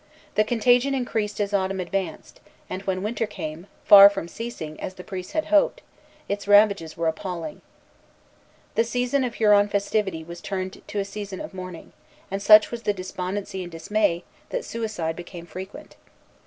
The contagion increased as autumn advanced; and when winter came, far from ceasing, as the priests had hoped, its ravages were appalling. The season of Huron festivity was turned to a season of mourning; and such was the despondency and dismay, that suicide became frequent.